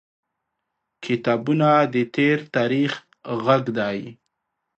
• کتابونه د تیر تاریخ غږ دی.